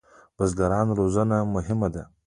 د بزګرانو روزنه مهمه ده